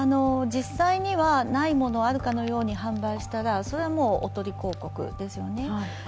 実際にはないものをあるかのように販売したらそれはもうおとり広告ですよね。